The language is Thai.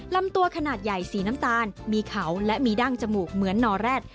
ลำตัวขนาดใหญ่สีน้ำตาลมีเขาและมีดั้งจมูกเหมือนนอแร็ด